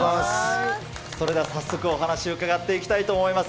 それでは早速、お話を伺っていきたいと思います。